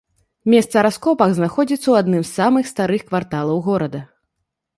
Месца раскопак знаходзіцца у адным з самых старых кварталаў горада.